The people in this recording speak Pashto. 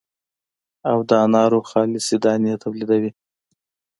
او د انارو خالصې دانې تولیدوي.